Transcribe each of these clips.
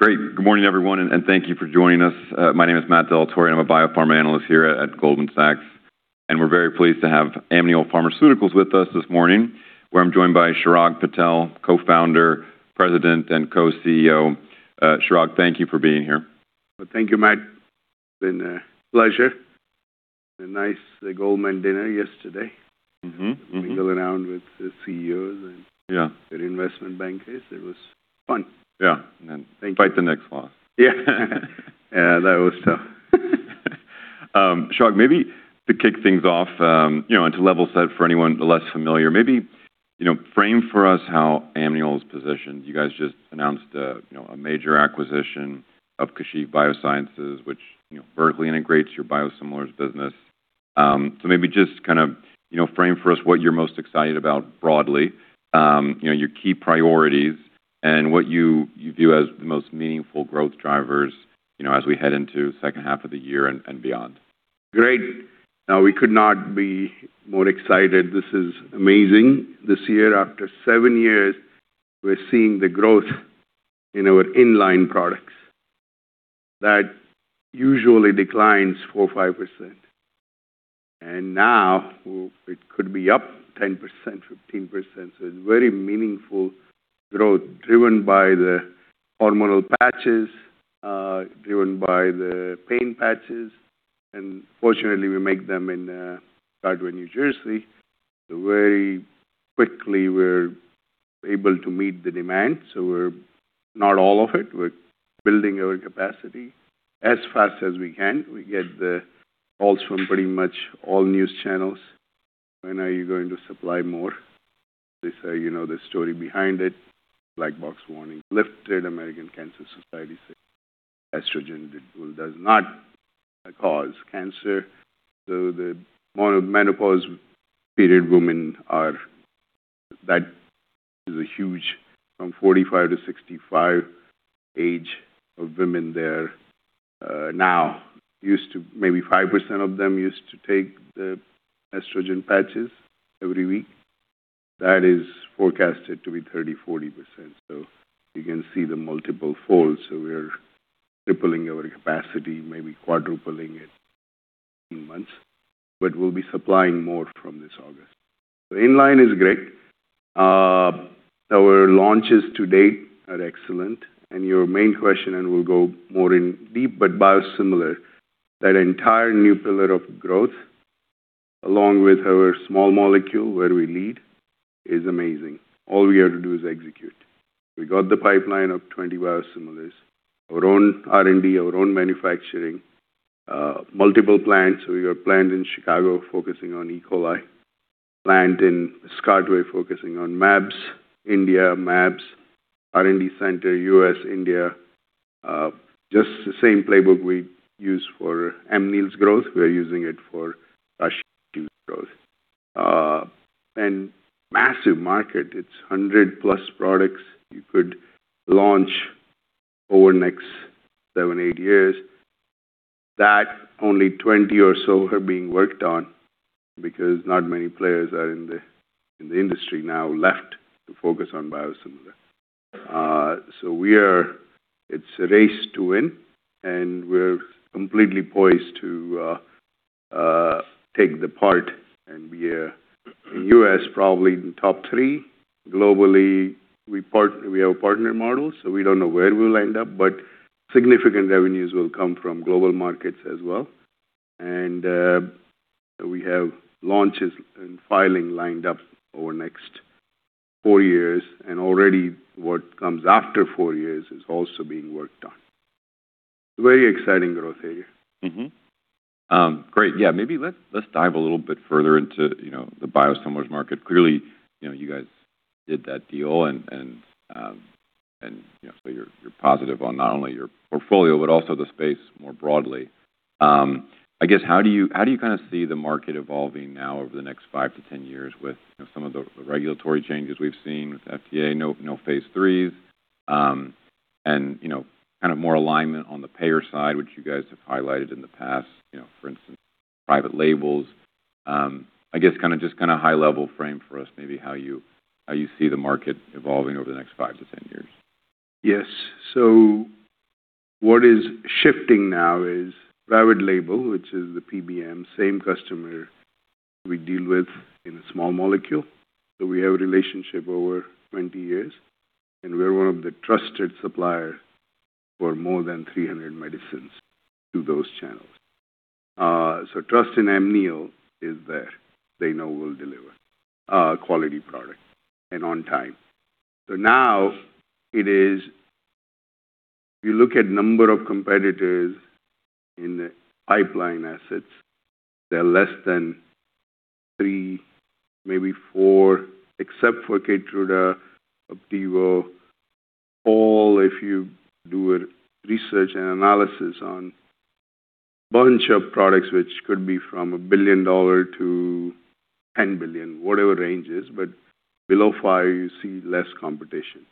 Great. Good morning, everyone, thank you for joining us. My name is Matt Dellatorre, I'm a Biopharma Analyst here at Goldman Sachs. We're very pleased to have Amneal Pharmaceuticals with us this morning, where I'm joined by Chirag Patel, Co-Founder, President, and Co-Chief Executive Officer. Chirag, thank you for being here. Thank you, Matt. It's been a pleasure. A nice Goldman dinner yesterday. Mingling around with the Chief Executive Officers. The investment bankers. It was fun. Thank you. Fight the next loss. Yeah. That was tough. Chirag, maybe to kick things off, and to level set for anyone less familiar, maybe frame for us how Amneal is positioned. You guys just announced a major acquisition of Kashiv BioSciences, which vertically integrates your biosimilars business. Maybe just kind of frame for us what you're most excited about broadly, your key priorities, and what you view as the most meaningful growth drivers as we head into the second half of the year and beyond. Great. We could not be more excited. This is amazing. This year, after seven years, we're seeing the growth in our in-line products that usually declines 4%-5%. Now it could be up 10%-15%, so it's very meaningful growth driven by the hormonal patches, driven by the pain patches. Fortunately, we make them in Yardley, New Jersey. Very quickly, we're able to meet the demand. We're not all of it. We're building our capacity as fast as we can. We get the calls from pretty much all news channels, "When are you going to supply more?" They say, "You know the story behind it." Black box warning lifted. American Cancer Society say estrogen does not cause cancer. From 45 to 65 age of women there now, maybe 5% of them used to take the estrogen patches every week. That is forecasted to be 30%-40%. You can see the multiple folds. We're tripling our capacity, maybe quadrupling it in months. We'll be supplying more from this August. The in-line is great. Our launches to date are excellent. Your main question, and we'll go more in deep, but biosimilar, that entire new pillar of growth, along with our small molecule, where we lead, is amazing. All we have to do is execute. We got the pipeline of 20 biosimilars. Our own R&D, our own manufacturing. Multiple plants. We got a plant in Chicago focusing on E. coli, a plant in Scotway focusing on mAbs. India, mAbs. R&D center, U.S., India. Just the same playbook we use for Amneal's growth, we're using it for Kashiv's growth. Massive market. It's 100+ products you could launch over the next seven, eight years. That only 20 or so are being worked on because not many players are in the industry now left to focus on biosimilar. It's a race to win, and we're completely poised to take the part and be a U.S., probably top three. Globally, we have a partner model, so we don't know where we'll end up, but significant revenues will come from global markets as well. We have launches and filing lined up over the next four years, and already what comes after four years is also being worked on. Very exciting growth area. Great. Yeah. Let's dive a little bit further into the biosimilars market. Clearly, you guys did that deal so you're positive on not only your portfolio but also the space more broadly. I guess, how do you kind of see the market evolving now over the next five to 10 years with some of the regulatory changes we've seen with FDA? No phase III, and kind of more alignment on the payer side, which you guys have highlighted in the past. For instance, private labels. I guess just kind of high level frame for us maybe how you see the market evolving over the next five to 10 years. Yes. What is shifting now is private label, which is the PBM, same customer we deal with in a small molecule. We have a relationship over 20 years, and we're one of the trusted supplier for more than 300 medicines to those channels. Trust in Amneal is there. They know we'll deliver a quality product and on time. Now it is, you look at number of competitors in the pipeline assets, they're less than three, maybe four, except for KEYTRUDA, Opdivo. All if you do a research and analysis on bunch of products, which could be from a $1 billion to $10 billion, whatever range is, but below five, you see less competition.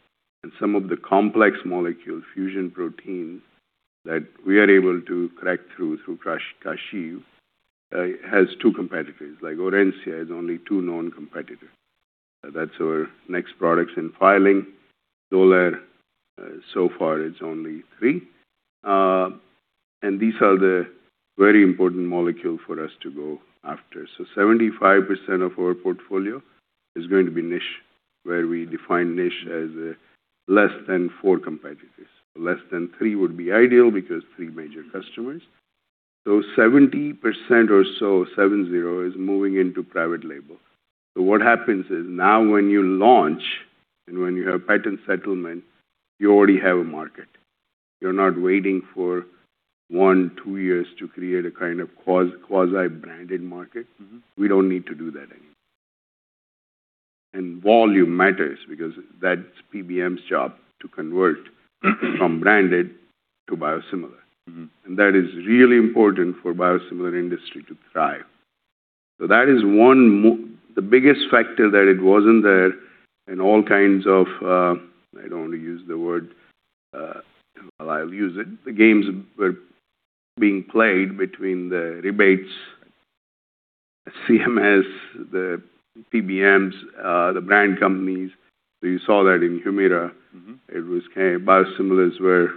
Some of the complex molecule fusion protein that we are able to crack through Kashiv, has two competitors. Like Orencia has only two known competitors. That's our next products in filing. XOLAIR, so far it's only three. These are the very important molecule for us to go after. 75% of our portfolio is going to be niche, where we define niche as less than four competitors. Less than three would be ideal because three major customers. 70% or so, 70, is moving into private label. What happens is now when you launch and when you have patent settlement, you already have a market. You're not waiting for one, two years to create a kind of quasi-branded market. We don't need to do that anymore. Volume matters because that's PBM's job to convert from branded to biosimilar. That is really important for biosimilar industry to thrive. That is the biggest factor that it wasn't there in all kinds of, I don't want to use the word, well, I'll use it. The games were being played between the rebates, CMS, the PBMs, the brand companies. You saw that in HUMIRA. Biosimilars were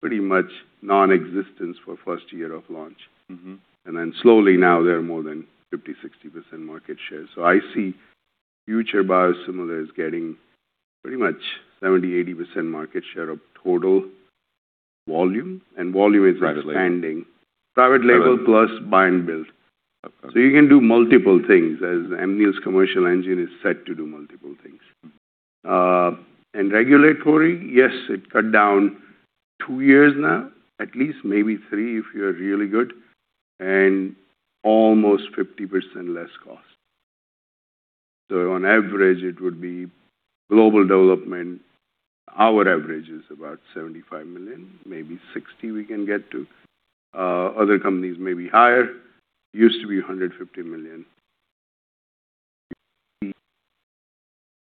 pretty much non-existent for first year of launch. Slowly now they're more than 50%-60% market share. I see future biosimilar as getting pretty much 70%-80% market share of total volume. Volume is expanding. Private label plus buy and build. You can do multiple things as Amneal's commercial engine is set to do multiple things. Regulatory, yes, it cut down two years now, at least, maybe three if you're really good, and almost 50% less cost. On average, it would be global development, our average is about $75 million, maybe $60 million we can get to. Other companies may be higher. Used to be $150 million.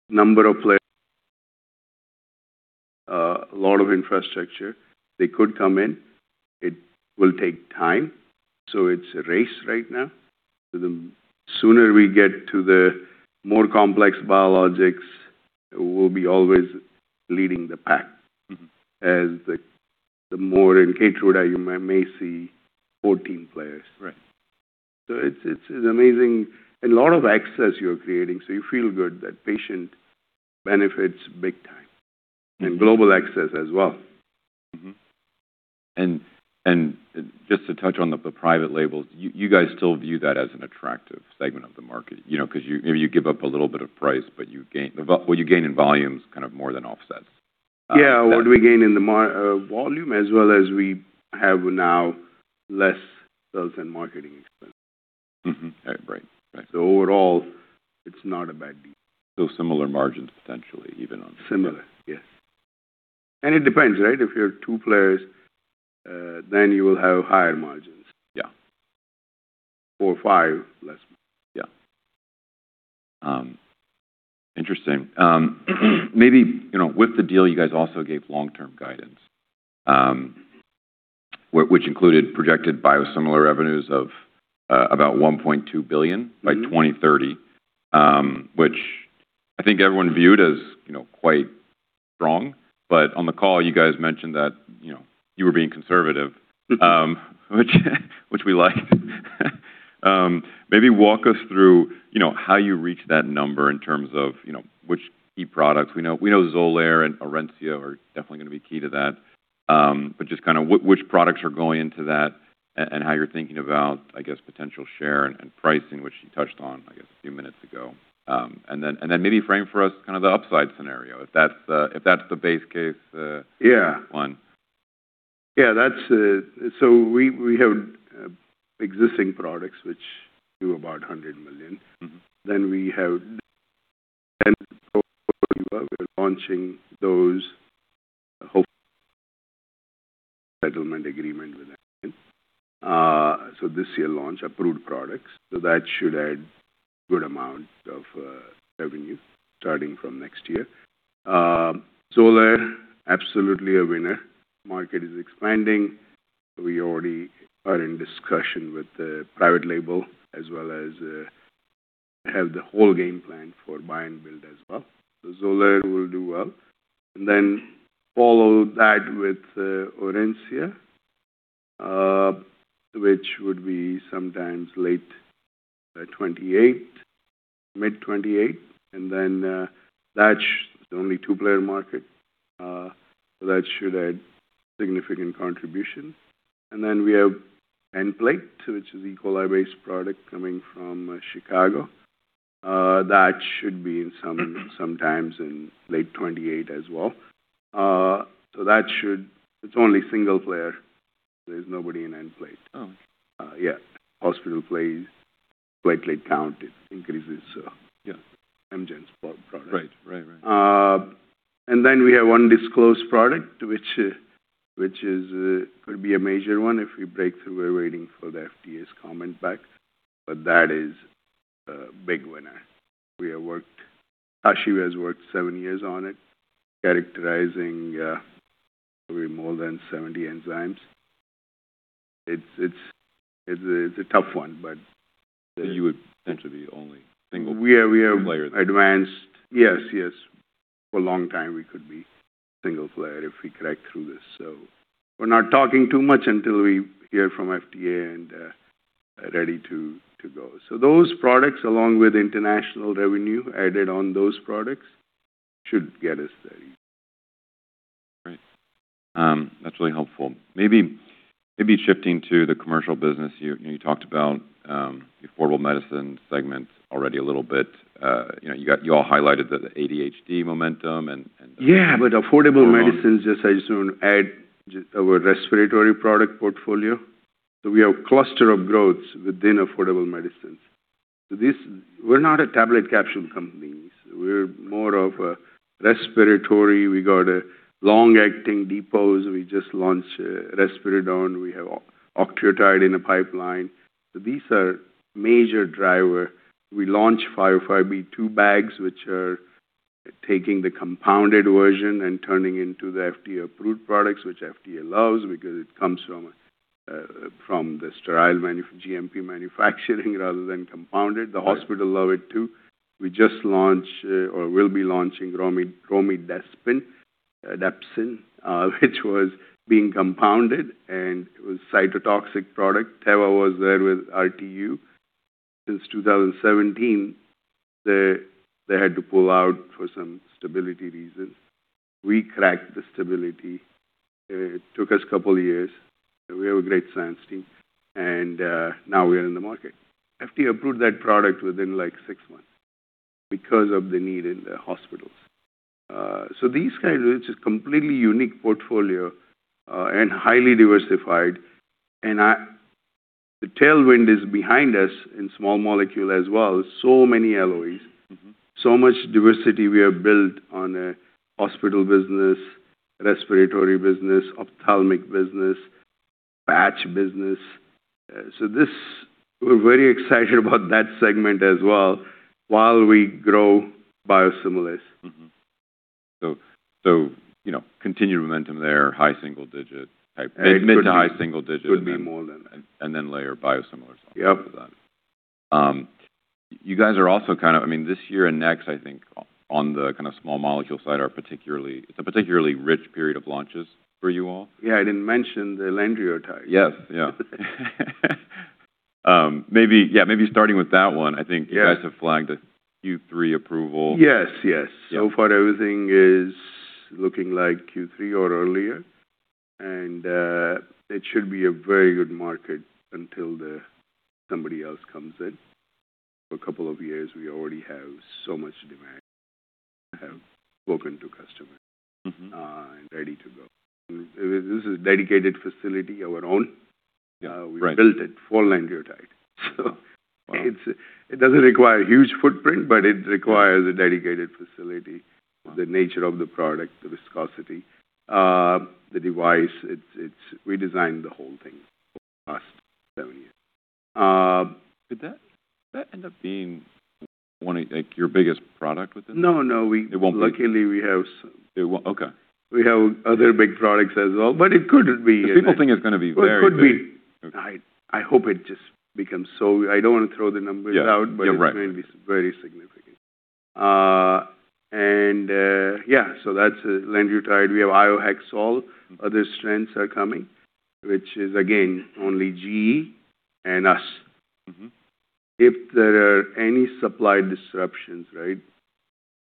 Number of players. A lot of infrastructure. They could come in. It will take time. It's a race right now. The sooner we get to the more complex biologics, we'll be always leading the pack. As the more, in KEYTRUDA, you may see 14 players. Right. It's amazing. A lot of access you're creating, so you feel good that patient benefits big time. Global access as well. Just to touch on the private labels, you guys still view that as an attractive segment of the market, because maybe you give up a little bit of price, but what you gain in volume is more than offsets that? Yeah. What do we gain in the volume as well as we have now less sales and marketing expense. Overall, it's not a bad deal. Similar margins potentially even. Similar, yes. It depends, right? If you're two players, you will have higher margins. Four or five, less margins. Interesting. Maybe, with the deal, you guys also gave long-term guidance, which included projected biosimilar revenues of about $1.2 billion by 2030, which I think everyone viewed as quite strong. On the call, you guys mentioned that you were being conservative, which we like. Maybe walk us through how you reach that number in terms of which key products. We know XOLAIR and Orencia are definitely going to be key to that. Just which products are going into that and how you're thinking about, I guess, potential share and pricing, which you touched on, I guess, a few minutes ago. Then maybe frame for us the upside scenario, if that's the base case one. Yeah. We have existing products which do about $100 million. We have. We are launching those, hope settlement agreement with. This year, we launch approved products. That should add good amount of revenue starting from next year. XOLAIR, absolutely a winner. Market is expanding. We already are in discussion with the private label as well as have the whole game plan for buy and build as well. XOLAIR will do well. Follow that with Orencia, which would be sometimes late 2028, mid 2028, and then that's only two-player market. That should add significant contribution. We have Nplate, which is E. coli-based product coming from Chicago. That should be in sometimes in late 2028 as well. It's only single player. There's nobody in Nplate. Hospital plays, platelet count increases. Amgen's product. Right. We have one disclosed product, which could be a major one if we break through. We're waiting for the FDA's comment back. That is a big winner. Kashiv has worked seven years on it, characterizing probably more than 70 enzymes. It's a tough one, but. You would potentially be only single player. We have advanced. Yes. For a long time, we could be single player if we crack through this. We're not talking too much until we hear from FDA and are ready to go. Those products, along with international revenue added on those products, should get us there. Great. That's really helpful. Maybe shifting to the commercial business. You talked about affordable medicine segments already a little bit. You all highlighted the ADHD momentum and- Affordable medicines, I just want to add our respiratory product portfolio. We have cluster of growths within affordable medicines. We're not a tablet capsule company. We're more of a respiratory. We got long-acting depots. We just launched risperidone. We have octreotide in the pipeline. These are major driver. We launch 505(b)(2) bags, which are taking the compounded version and turning into the FDA-approved products, which FDA allows because it comes from the sterile GMP manufacturing rather than compounded. The hospital allow it too. We just launched, or will be launching romidepsin, depsipeptide, which was being compounded, and it was cytotoxic product. Teva was there with RTU. Since 2017, they had to pull out for some stability reasons. We cracked the stability. It took us a couple of years. We have a great science team, and now we are in the market. FDA approved that product within six months because of the need in the hospitals. These guys, which is completely unique portfolio, and highly diversified. The tailwind is behind us in small molecule as well. Many LOEs, so much diversity we have built on a hospital business, respiratory business, ophthalmic business, batch business. We're very excited about that segment as well while we grow biosimilars. Continued momentum there, high single digit type, mid to high single digit. Could be more than that. Layer biosimilars on top of that. Yep. You guys are also kind of, this year and next, I think on the small molecule side, it's a particularly rich period of launches for you all. Yeah, I didn't mention the lanreotide. Yes. Maybe starting with that one, I think you guys have flagged a Q3 approval. Yes. So far everything is looking like Q3 or earlier, and it should be a very good market until somebody else comes in. For a couple of years, we already have so much demand. I have spoken to customers. Ready to go. This is a dedicated facility, our own. Yeah. Right. We built it for lanreotide. It doesn't require a huge footprint, but it requires a dedicated facility. Wow. The nature of the product, the viscosity, the device. We designed the whole thing over the past seven years. Could that end up being your biggest product within? No. It won't be. Luckily, we have- Okay we have other big products as well, but it could be. People think it's going to be very big. It could be. I hope it just becomes so I don't want to throw the numbers out. Yeah, right. It's going to be very significant. Yeah, that's lanreotide. We have iohexol. Other strengths are coming, which is again, only GE and us. If there are any supply disruptions, right,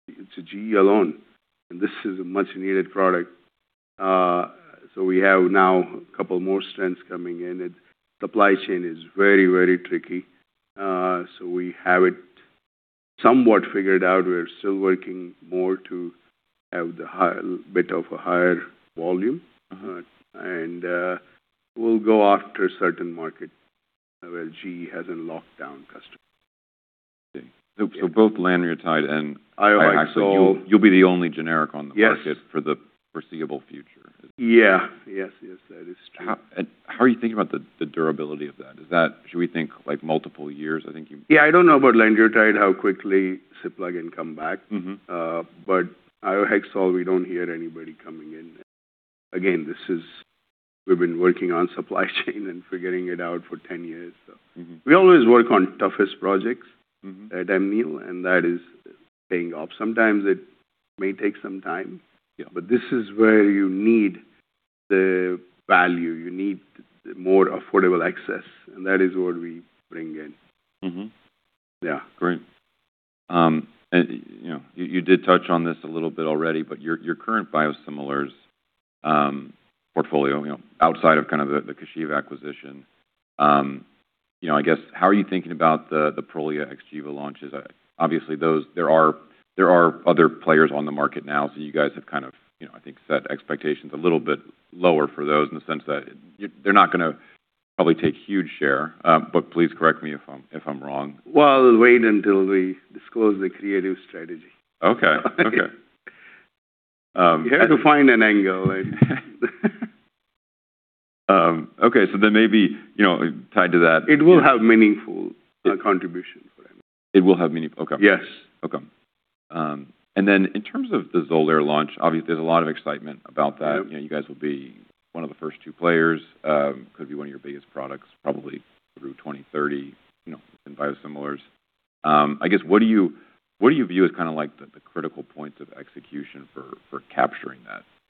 it's GE alone, and this is a much needed product. We have now a couple more strengths coming in, and supply chain is very tricky. We have it somewhat figured out. We're still working more to have a bit of a higher volume. We'll go after certain market where GE hasn't locked down customers. Okay. Both lanreotide and- Iohexol You'll be the only generic on the market- Yes For the foreseeable future. Yeah. Yes, that is true. How are you thinking about the durability of that? Should we think multiple years? Yeah, I don't know about lanreotide, how quickly Cipla can come back. But Iohexol, we don't hear anybody coming in. Again, we've been working on supply chain and figuring it out for 10 years. We always work on toughest projects. At Amneal, that is paying off. Sometimes it may take some time. This is where you need the value. You need more affordable access, and that is what we bring in. Great. You did touch on this a little bit already, your current biosimilars portfolio, outside of the Kashiv acquisition, how are you thinking about the Prolia and XGEVA launches? Obviously, there are other players on the market now. You guys have, I think, set expectations a little bit lower for those in the sense that they're not going to probably take huge share, but please correct me if I'm wrong. Well, wait until we disclose the creative strategy. Okay. You have to find an angle, right? Okay. Maybe, tied to that. It will have meaningful contribution for Amneal. It will have meaning-- Okay. Yes. Okay. In terms of the XOLAIR launch, obviously, there's a lot of excitement about that. You guys will be one of the first two players, could be one of your biggest products probably through 2030 in biosimilars. I guess, what do you view as the critical points of execution for capturing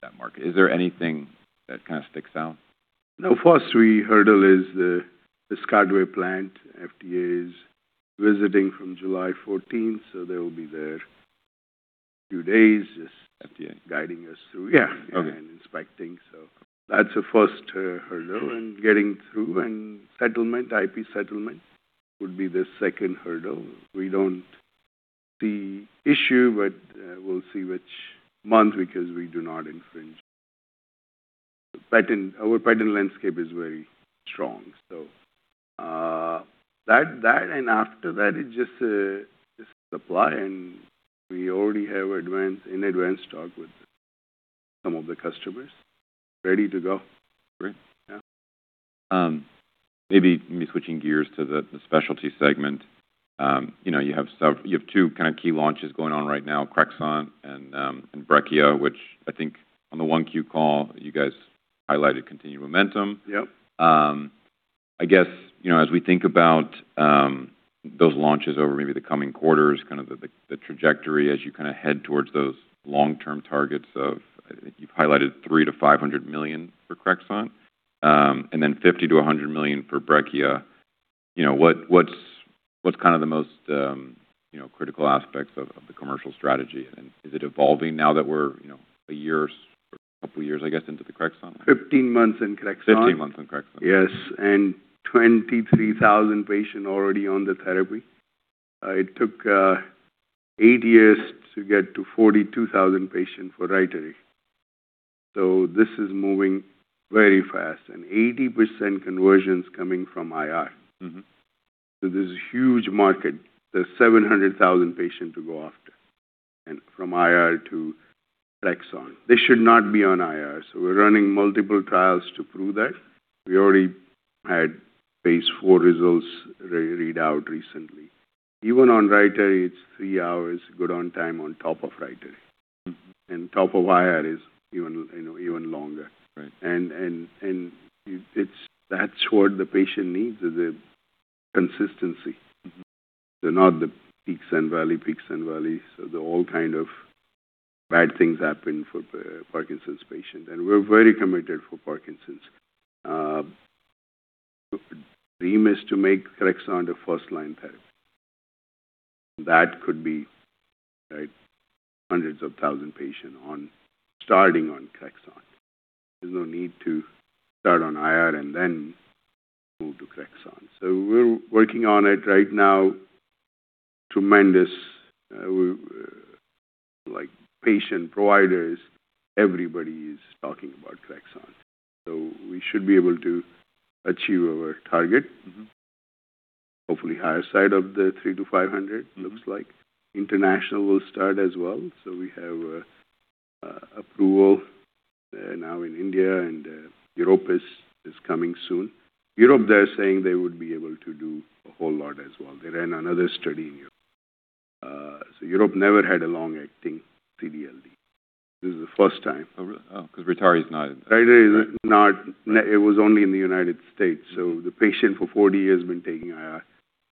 that market? Is there anything that sticks out? No. First hurdle is the Cashel plant. FDA is visiting from July 14th, they will be there a few days. FDA Guiding us through. Okay. Inspecting. That's the first hurdle in getting through, IP settlement would be the second hurdle. We don't see issue, we'll see which month, because we do not infringe patent. Our patent landscape is very strong. That, after that, it's just supply, we already have an advance talk with some of the customers ready to go. Great. Maybe switching gears to the specialty segment. You have two key launches going on right now, CREXONT and Brekiya, which I think on the 1Q call, you guys highlighted continued momentum. I guess, as we think about those launches over maybe the coming quarters, the trajectory as you head towards those long-term targets of, I think you've highlighted $3 million-$500 million for CREXONT, and then $50 million-$100 million for Brekiya. What's the most critical aspects of the commercial strategy, is it evolving now that we're a year or a couple of years, I guess, into the CREXONT? 15 months in CREXONT. 15 months in CREXONT. Yes, 23,000 patient already on the therapy. It took eight years to get to 42,000 patient for RYTARY. This is moving very fast, 80% conversions coming from IR. There's a huge market. There's 700,000 patient to go after and from IR to CREXONT. They should not be on IR, so we're running multiple trials to prove that. We already had phase IV results read out recently. Even on RYTARY, it's three hours good on time on top of RYTARY. Top of IR is even longer. Right. That's what the patient needs, is the consistency. Not the peaks and valleys, peaks and valleys. All kind of bad things happen for Parkinson's patients, and we're very committed for Parkinson's. The dream is to make CREXONT a first-line therapy. That could be hundreds of thousand patient starting on CREXONT. There's no need to start on IR and then move to CREXONT. We're working on it right now. Tremendous patient providers, everybody is talking about CREXONT. We should be able to achieve our target. Hopefully higher side of the three to 500 looks like. International will start as well. We have approval now in India and Europe is coming soon. Europe, they're saying they would be able to do a whole lot as well. They ran another study in Europe. Europe never had a long-acting CD/LD. This is the first time. Oh, really? Oh, because RYTARY is not- It was only in the U.S. The patient for 40 years been taking IR.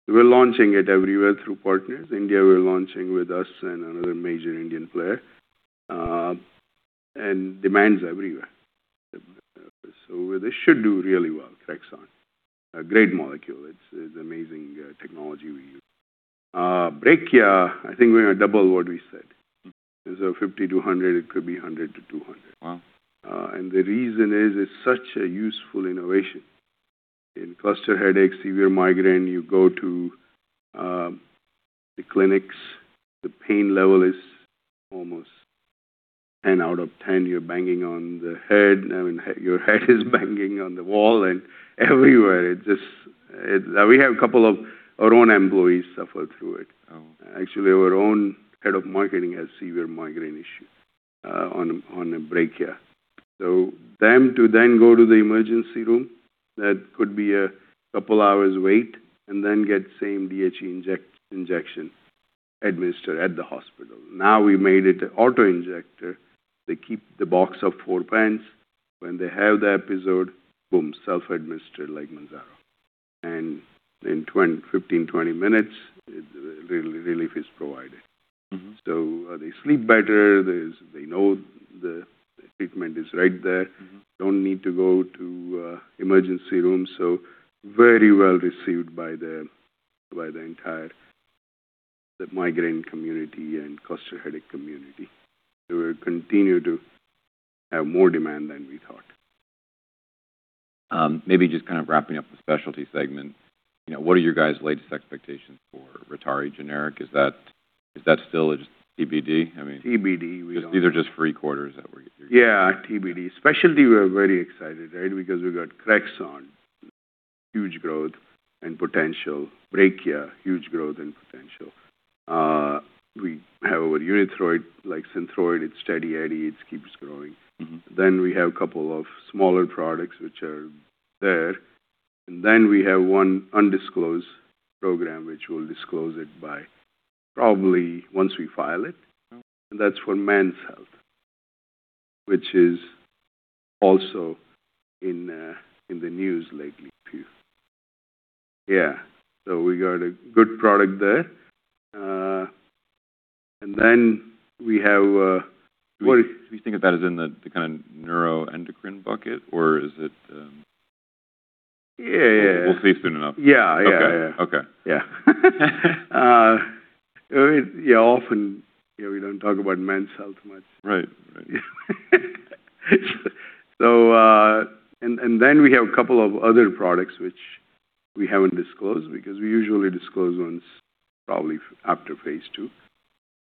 We're launching it everywhere through partners. India, we're launching with us and another major Indian player, and demands everywhere. This should do really well, CREXONT. A great molecule. It's amazing technology we use. Brekiya, I think we're going to double what we said. Is a 50-100, it could be 100-200. Wow. The reason is, it's such a useful innovation. In cluster headaches, severe migraine, you go to the clinics, the pain level is almost 10 out of 10. You're banging on the head. I mean, your head is banging on the wall and everywhere. We have a couple of our own employees suffer through it. Actually, our own head of marketing has severe migraine issue on Brekiya. Them to then go to the emergency room, that could be a couple hours wait, and then get same DHE injection administered at the hospital. Now we made it a auto-injector. They keep the box of four pens. When they have the episode, boom, self-administered like Mounjaro. In 15, 20 minutes, relief is provided. They sleep better. They know the treatment is right there. Don't need to go to emergency rooms. Very well received by the entire, the migraine community and cluster headache community. We'll continue to have more demand than we thought. Maybe just wrapping up the specialty segment. What are your guys' latest expectations for RYTARY generic? Is that still just TBD? TBD. These are just three quarters. Yeah. TBD. Specialty, we're very excited, right? Because we got CREXONT, huge growth and potential. Brekiya, huge growth and potential. We have our Unithroid, like SYNTHROID. It's steady Eddie. It keeps growing. We have couple of smaller products which are there. We have one undisclosed program, which we'll disclose it by probably once we file it. Okay. That's for men's health, which is also in the news lately too. Yeah. We got a good product there. We have, what. Do we think of that as in the kind of neuroendocrine bucket, or is it. Yeah. We'll see soon enough. Yeah. Okay. Yeah. Often, we don't talk about men's health much. Right. Then we have a couple of other products which we haven't disclosed, because we usually disclose ones probably after phase II.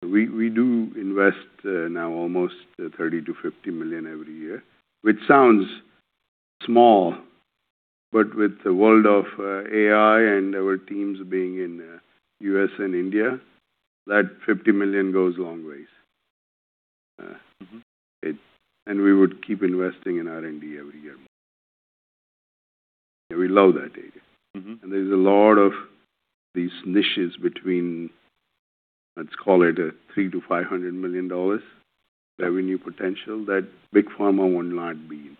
We do invest now almost $30 million-$50 million every year, which sounds small, but with the world of AI and our teams being in U.S. and India, that $50 million goes a long way. We would keep investing in R&D every year. We love that data. There's a lot of these niches between, let's call it a three to $500 million revenue potential that big pharma will not be in.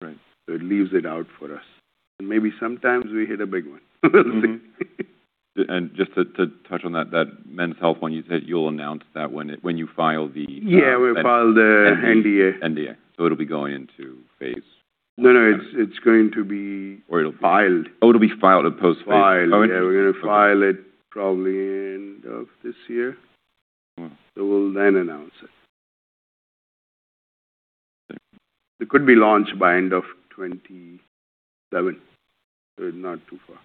Right. It leaves it out for us. Maybe sometimes we hit a big one. Just to touch on that men's health one, you said you'll announce that when you file the- Yeah, we'll file the NDA. NDA. it'll be going into phase- No, it's going to be- it'll- filed. Oh, it'll be filed at post-phase. Filed. Yeah. Okay. We're going to file it probably end of this year. Wow. We'll then announce it. It could be launched by end of 2027. Not too far.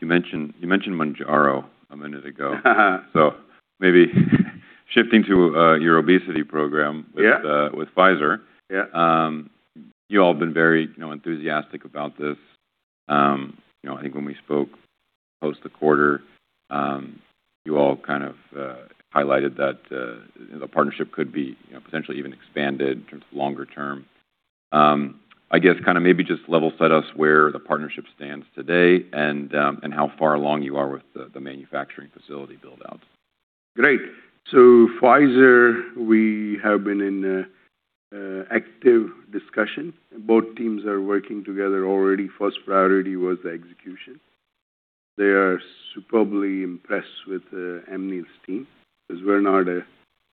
You mentioned Mounjaro a minute ago. Maybe shifting to your obesity program with Pfizer. You all have been very enthusiastic about this. I think when we spoke post the quarter, you all kind of highlighted that the partnership could be potentially even expanded in terms of longer term. I guess maybe just level set us where the partnership stands today and how far along you are with the manufacturing facility build-out. Great. Pfizer, we have been in active discussion. Both teams are working together already. First priority was the execution. They are superbly impressed with Amneal's team, because we're not a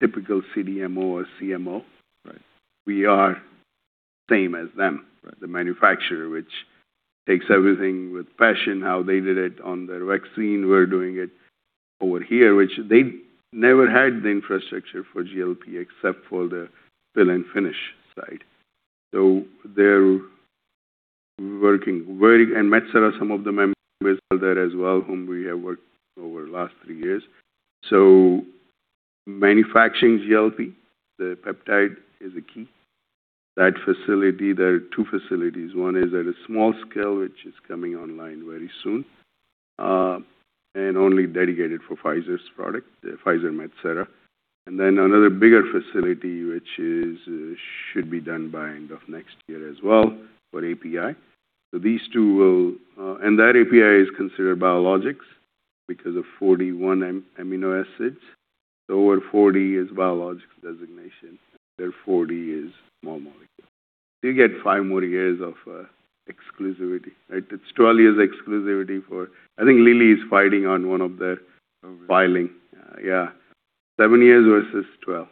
typical CDMO or CMO. We are same as them. The manufacturer, which takes everything with passion, how they did it on their vaccine, we're doing it over here. They never had the infrastructure for GLP-1 except for the fill and finish side. They're working. Metsera, some of the members are there as well, whom we have worked over the last three years. Manufacturing GLP-1, the peptide is a key. That facility, there are two facilities. One is at a small scale, which is coming online very soon, and only dedicated for Pfizer's product, Pfizer Metsera. Another bigger facility, which should be done by end of next year as well for API. These two will. That API is considered biologics because of 41 amino acids. Over 40 is biologics designation, under 40 is small molecule. You get five more years of exclusivity, right? It's 12 years exclusivity for I think Lilly is fighting on one of their filing. Yeah. Seven years versus 12.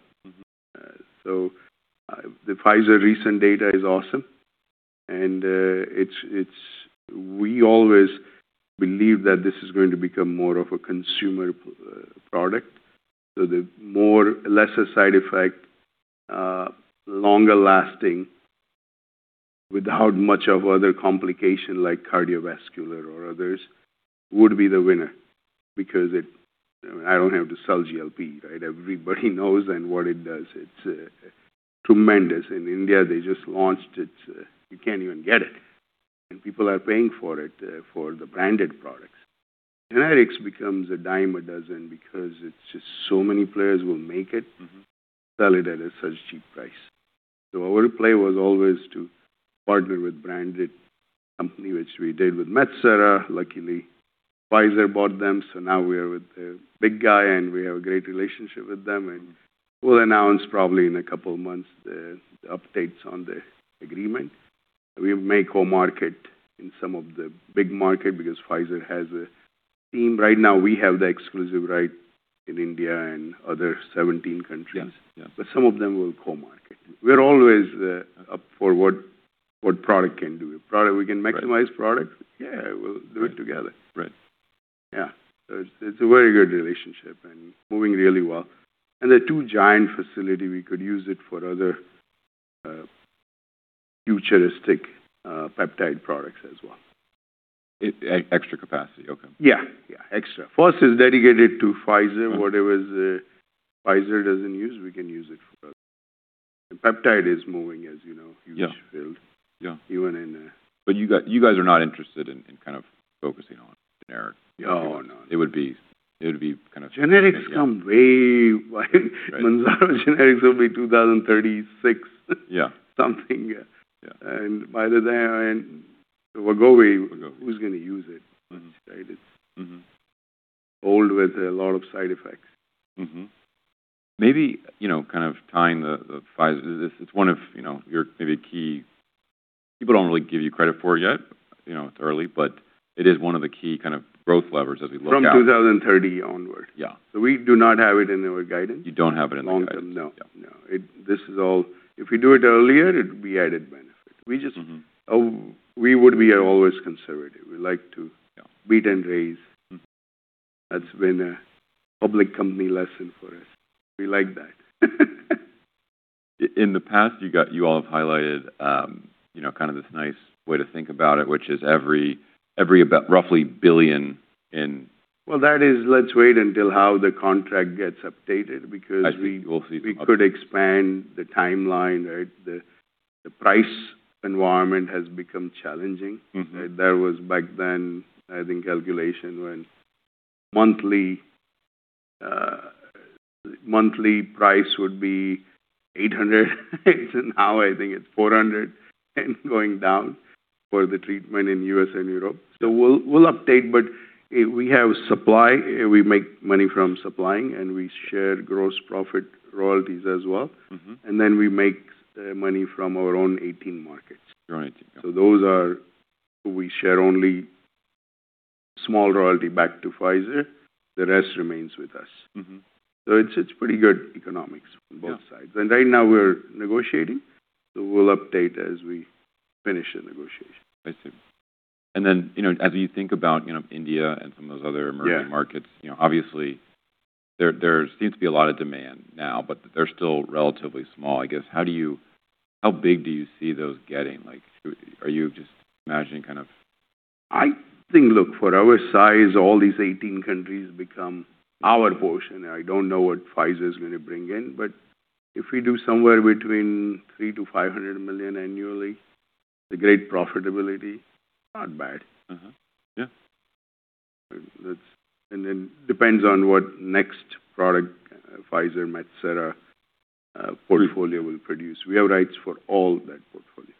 The Pfizer recent data is awesome, we always believe that this is going to become more of a consumer product. The more lesser side effect, longer lasting, without much of other complication like cardiovascular or others, would be the winner because I don't have to sell GLP-1, right? Everybody knows and what it does, it's tremendous. In India, they just launched it. You can't even get it. People are paying for it, for the branded products. Generics becomes a dime a dozen because it's just so many players will make it. Sell it at a such cheap price. Our play was always to partner with branded company, which we did with Metsera. Luckily, Pfizer bought them, so now we are with a big guy, and we have a great relationship with them, and we'll announce probably in a couple of months the updates on the agreement. We may co-market in some of the big market because Pfizer has a team. Right now, we have the exclusive right in India and other 17 countries. Some of them will co-market. We're always up for what product can do. We can maximize. Yeah, we'll do it together. Yeah. It's a very good relationship and moving really well. The two giant facility, we could use it for other futuristic peptide products as well. Extra capacity. Okay. Yeah. Extra. First is dedicated to Pfizer. Whatever Pfizer doesn't use, we can use it for others. Peptide is moving, as you know, huge field. Even in- You guys are not interested in kind of focusing on generic. Oh, no. It would be kind of Generics come way Right. Mounjaro generics will be 2036 something. By then, Wegovy. Wegovy Who's going to use it? It's old with a lot of side effects. Mm-hmm. Maybe, kind of tying the Pfizer. It's one of your maybe key People don't really give you credit for it yet, it's early, but it is one of the key growth levers as we look out. From 2030 onwards. We do not have it in our guidance. You don't have it in the guidance. No. No. If we do it earlier, it'd be added benefit. We would be always conservative, beat and raise. That's been a public company lesson for us. We like that. In the past, you all have highlighted this nice way to think about it, which is every roughly billion. Well, let's wait until how the contract gets updated. I think we'll see. we could expand the timeline. The price environment has become challenging. There was back then, I think, calculation when monthly price would be $800. Now I think it's $400 and going down for the treatment in U.S. and Europe. We'll update, but we have supply. We make money from supplying, and we share gross profit royalties as well. We make money from our own 18 markets. Right. Yeah. We share only small royalty back to Pfizer. The rest remains with us. It's pretty good economics on both sides. Right now we're negotiating, we'll update as we finish the negotiation. I see. As you think about India and some of those other emerging markets. Obviously, there seems to be a lot of demand now, they're still relatively small. I guess, how big do you see those getting? Are you just imagining kind of- I think, look, for our size, all these 18 countries become our portion. I don't know what Pfizer is going to bring in, if we do somewhere between $3 million-$500 million annually, a great profitability. Not bad. Depends on what next product Pfizer, Metsera portfolio will produce. We have rights for all that portfolio.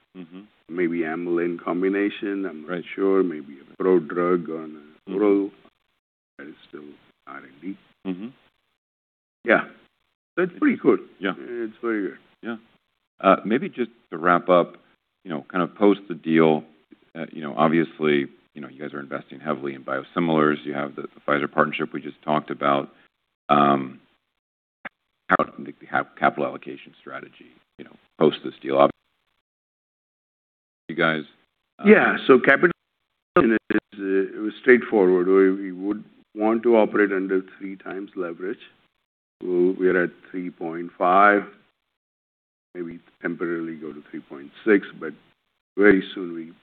Maybe amylin combination, I'm not sure. Maybe a prodrug on oral. That is still R&D. It's pretty good. It's very good. Maybe just to wrap up, kind of post the deal, obviously, you guys are investing heavily in biosimilars. You have the Pfizer partnership we just talked about. How does the capital allocation strategy post this deal obviously You guys- Capital is straightforward. We would want to operate under three times leverage. We're at 3.5, maybe temporarily go to 3.6, but very soon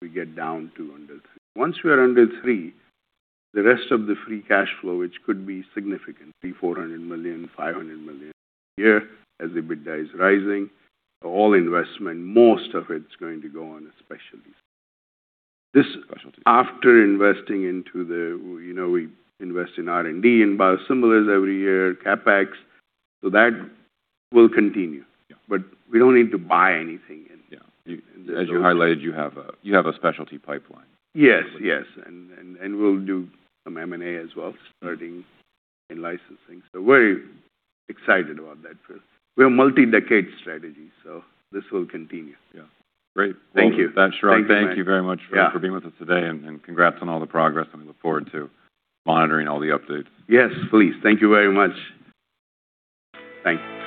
we get down to under three. Once we are under three, the rest of the free cash flow, which could be significant, $300 million, $400 million, $500 million a year as EBITDA is rising. All investment, most of it's going to go on specialties. This- Specialty We invest in R&D, in biosimilars every year, CapEx. That will continue. We don't need to buy anything in. As you highlighted, you have a specialty pipeline. Yes. We'll do some M&A as well, spreading in licensing. We're excited about that. We're a multi-decade strategy, this will continue. Yeah. Great. Thank you. Well, Chirag, thank you very much, for being with us today, congrats on all the progress, and we look forward to monitoring all the updates. Yes, please. Thank you very much. Thank you.